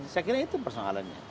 saya kira itu persoalannya